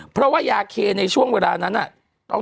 เพราะว่ายาเคในช่วงเวลานั้น